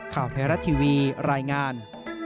ข่าวไทยรัฐทีวีรายงาน